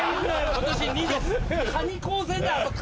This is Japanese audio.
今年２です！